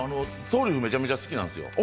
トリュフ、めちゃめちゃ好きなんですよ。